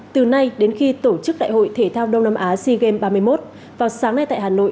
từ nay đến khi tổ chức đại hội thể thao đông nam á sea games ba mươi một vào sáng nay tại hà nội